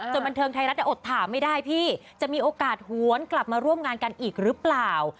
บันเทิงไทยรัฐอดถามไม่ได้พี่จะมีโอกาสหวนกลับมาร่วมงานกันอีกหรือเปล่า